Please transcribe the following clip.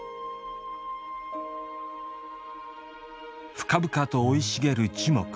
深々と生い茂る樹木。